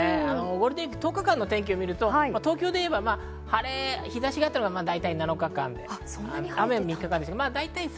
ゴールデンウイーク１０日間の天気を見ると、日差しがあったのが大体７日間、雨は３日間でした。